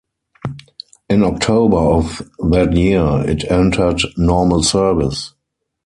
In October of that year it entered normal service.